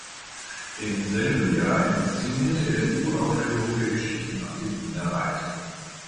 Im selben Jahr inszenierte er die Uraufführung der Geschichten aus dem Wiener Wald.